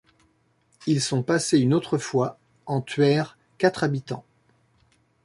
Ils sont passés une autre fois en tuèrent quatre habitants.